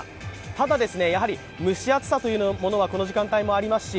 ただ、蒸し暑さというものはこの時間帯もありますし